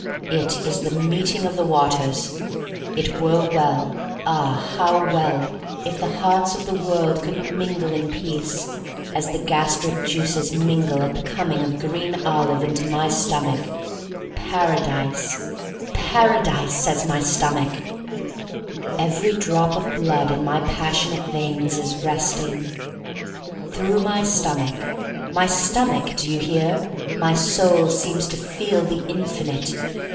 It is the meeting of the waters! It were well, ah, how well, if the hearts of the world could mingle in peace, as the gastric juices mingle at the coming of a green olive into my stomach! "Paradise! Paradise!" says my Stomach. V 86 THE STORY OF MARY MAC LANE Every drop of blood in my passionate veins is resting. Through my stomach — my stomach, do you hear — my soul seems to feel the infinite.